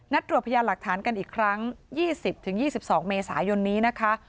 ตรวจพยานหลักฐานกันอีกครั้ง๒๐๒๒เมษายนนี้นะคะ